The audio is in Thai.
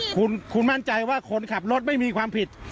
คุณมั่นใจว่าคนขับรถไม่มีความผิด